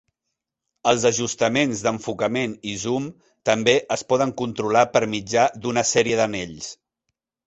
Els ajustaments d'enfocament i zoom també es poden controlar per mitjà d'una sèrie d'anells.